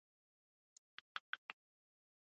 د لیکوالو ملاتړ د ژبې ملاتړ دی.